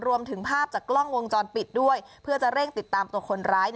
รวมถึงภาพจากกล้องวงจรปิดด้วยเพื่อจะเร่งติดตามตัวคนร้าย